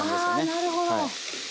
あなるほど。